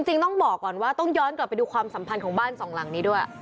จริงต้องบอกก่อนว่าต้องย้อนกลับไปดูความสัมพันธ์ของบ้านสองหลังนี้ด้วย